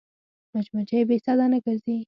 مچمچۍ بې سده نه ګرځي